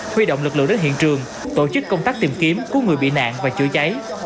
huy động lực lượng đến hiện trường tổ chức công tác tìm kiếm cứu người bị nạn và chữa cháy